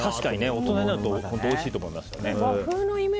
大人になるとおいしいと思います。